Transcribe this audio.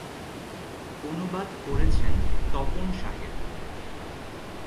অনুবাদ করেছেন তপন শাহেদ।